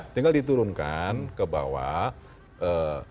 tinggal diturunkan ke bawah